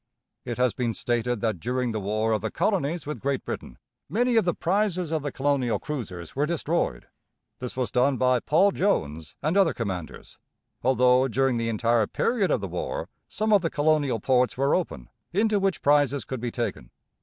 It has been stated that during the war of the colonies with Great Britain many of the prizes of the colonial cruisers were destroyed. This was done by Paul Jones and other commanders, although during the entire period of the war some of the colonial ports were open, into which prizes could be taken.